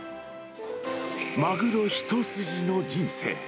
マグロ一筋の人生。